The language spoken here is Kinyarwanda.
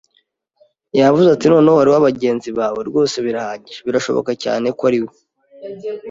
Yavuze ati: “Noneho, hariho abagenzi bawe, rwose birahagije.” “Birashoboka cyane ko ari